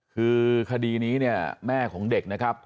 คือคดีนี้เนี่ยแม่ของเด็กนะครับ